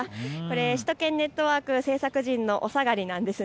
首都圏ネットワーク制作陣のお下がりなんです。